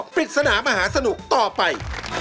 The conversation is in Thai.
ปริศนามหาสนุกต่อไป